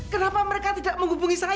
kenapa mereka tidak menghubungi saya pak